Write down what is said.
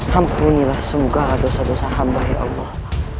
ampunilah semoga dosa dosa hamba ya allah